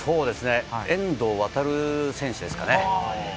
遠藤航選手ですかね。